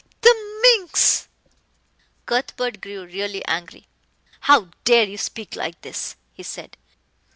Pah! the minx!" Cuthbert grew really angry. "How dare you speak like this?" he said.